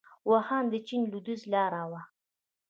واخان د چین او لویدیځ لاره وه